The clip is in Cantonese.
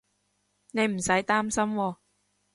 你唔使擔心喎